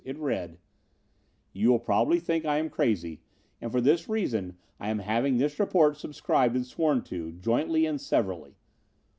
It read: "You will probably think I am crazy, and for this reason I am having this report subscribed and sworn to, jointly and severally.